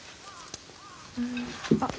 あっ。